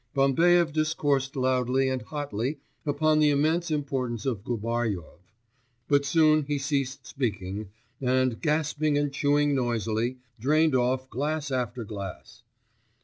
Bambaev discoursed loudly and hotly upon the immense importance of Gubaryov, but soon he ceased speaking, and, gasping and chewing noisily, drained off glass after glass.